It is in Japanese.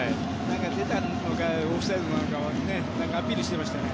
出たのかオフサイドなのかなんかアピールしてましたね。